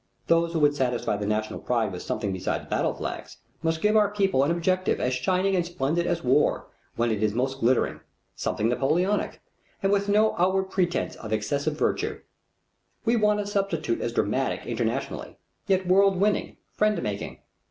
Those who would satisfy the national pride with something besides battle flags must give our people an objective as shining and splendid as war when it is most glittering, something Napoleonic, and with no outward pretence of excessive virtue. We want a substitute as dramatic internationally, yet world winning, friend making.